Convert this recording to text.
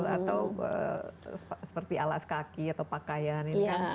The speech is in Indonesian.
atau seperti alas kaki atau pakaian